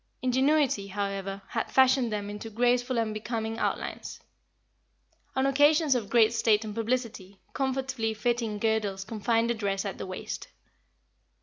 Ingenuity, however, had fashioned them into graceful and becoming outlines. On occasions of great state and publicity, comfortably fitting girdles confined the dress at the waist.